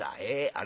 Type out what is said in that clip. あれ？